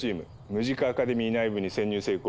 ムジカ・アカデミー内部に潜入成功。